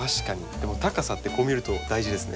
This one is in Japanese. でも高さってこう見ると大事ですね。